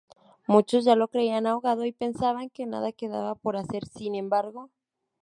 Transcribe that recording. Muchos ya lo creían ahogado y pensaban que nada quedaba por hacer; sin embargo.